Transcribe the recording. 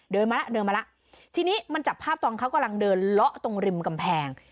มาแล้วเดินมาแล้วทีนี้มันจับภาพตอนเขากำลังเดินเลาะตรงริมกำแพง